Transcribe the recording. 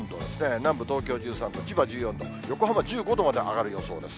南部、東京１３度、千葉１４度、横浜１５度まで上がる予想です。